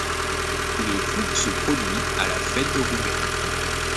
Le groupe se produit à la fête de Roubaix.